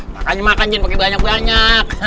makasih makan cien pakai banyak banyak